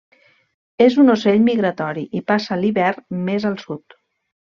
És un ocell migratori i passa l'hivern més al sud.